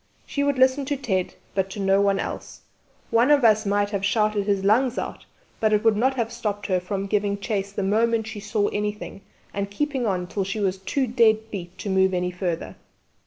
She would listen to Ted, but to no one else; one of us might have shouted his lungs out, but it would not have stopped her from giving chase the moment she saw anything and keeping on till she was too dead beat to move any further.